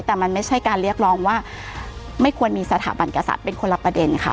แต่มันไม่ใช่การเรียกร้องว่าไม่ควรมีสถาบันกษัตริย์เป็นคนละประเด็นค่ะ